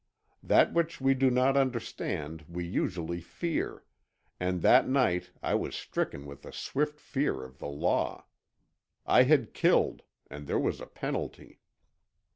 That which we do not understand we usually fear, and that night I was stricken with a swift fear of the law. I had killed, and there was a penalty.